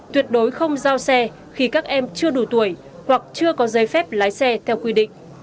tuyệt đối không giao xe khi các em chưa đủ tuổi hoặc chưa có giấy phép lái xe theo quy định